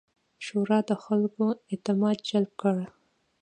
شورا د خلکو اعتماد جلب کړي.